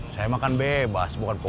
saya makan bebas bukan makan siang